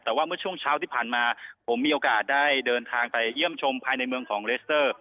แต่ว่าเมื่อช่วงเช้าที่ผ่านมาผมมีโอกาสได้เดินทางไปเยี่ยมชมภายในเมืองของเลสเตอร์